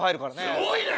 すごいね！